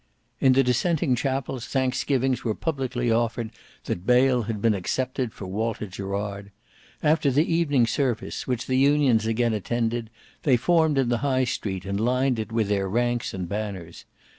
In the dissenting chapels thanksgivings were publicly offered that bail had been accepted for Walter Gerard. After the evening service, which the Unions again attended, they formed in the High Street and lined it with their ranks and banners.